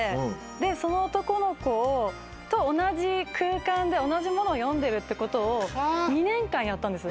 その男の子と同じ空間で同じものを読んでるってことを２年間やったんですよ。